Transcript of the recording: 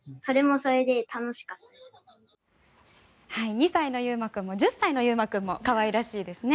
２歳の悠真君も１０歳の悠真君も可愛らしいですね。